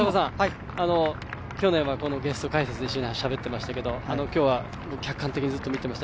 去年はこのゲスト解説で一緒に走っていましたけど今日は客観的にずっと見ていました。